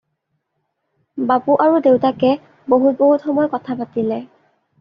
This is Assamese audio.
বাপু আৰু দেউতাকে বহুত বহুত সময় কথা পাতিলে।